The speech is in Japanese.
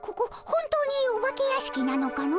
本当にお化け屋敷なのかの？